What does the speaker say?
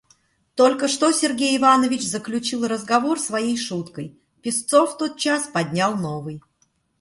Только что Сергей Иванович заключил разговор своей шуткой, Песцов тотчас поднял новый.